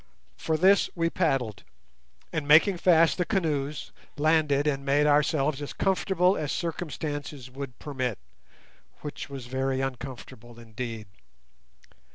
For this we paddled, and, making fast the canoes, landed and made ourselves as comfortable as circumstances would permit, which was very uncomfortable indeed.